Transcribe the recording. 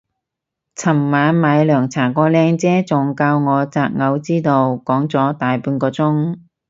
尋晚買涼茶個靚姐仲教我擇偶之道講咗大半個鐘